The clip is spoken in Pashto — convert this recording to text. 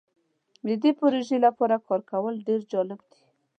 د دې پروژې لپاره کار کول ډیر جالب دی.